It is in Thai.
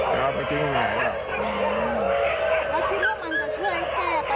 จะเอาไปทิ้งไหนล่ะ